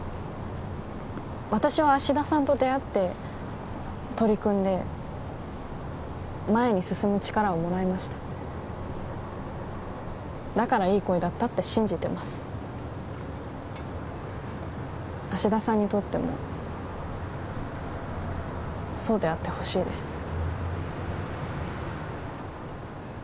私は芦田さんと出会って取り組んで前に進む力をもらいましただからいい恋だったって信じてます芦田さんにとってもそうであってほしいです